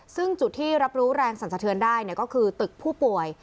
ซึ่งจุดที่รับรู้แรงสรรสะเทือนได้ก็คือตึกผู้ป่วย